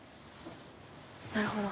なるほど。